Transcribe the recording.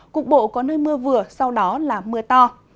cục bộ có nơi mưa vừa sau đó là mưa to